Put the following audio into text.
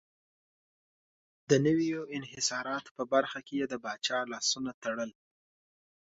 د نویو انحصاراتو په برخه کې یې د پاچا لاسونه تړل.